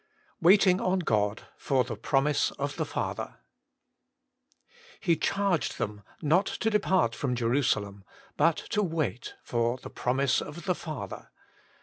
WAITING ON GOD: 3for tbe ipromiBC ot tbe ^atbet, ' He charged them not to depart from Jemsalein, but to wait for the promise of the Father.'